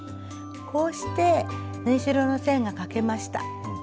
こうして縫い代の線が書けました。